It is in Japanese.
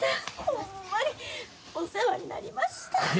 ホンマにお世話になりました。